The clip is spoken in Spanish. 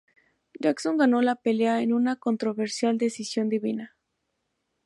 Jackson ganó la pelea en una controversial decisión dividida.